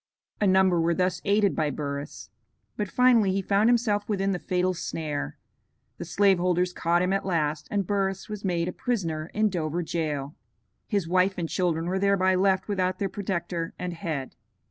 A number were thus aided by Burris. But finally he found himself within the fatal snare; the slave holders caught him at last, and Burris was made a prisoner in Dover jail. His wife and children were thereby left without their protector and head.